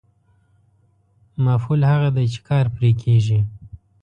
مفعول هغه دی چې کار پرې کېږي.